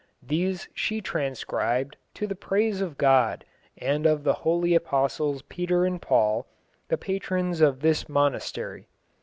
These she transcribed "to the praise of God, and of the holy apostles Peter and Paul, the patrons of this monastery."